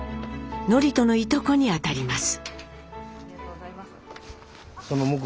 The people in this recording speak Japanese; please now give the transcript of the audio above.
智人のいとこにあたります。